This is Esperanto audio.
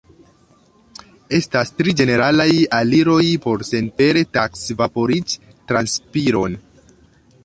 Estas tri ĝeneralaj aliroj por senpere taksi vaporiĝ-transpiron.